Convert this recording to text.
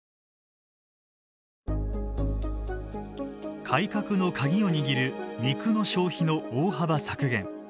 改革の鍵を握る肉の消費の大幅削減。